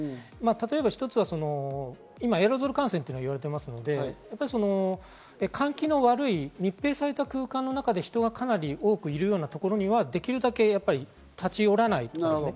例えば一つは今エアロゾル感染と言われていますので、換気の悪い、密閉された空間の中で人がかなり多くいるようなところにはできるだけ立ち寄らない。